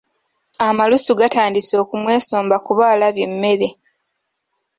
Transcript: Amalusu gatandise okumwesomba kuba alabye emmere.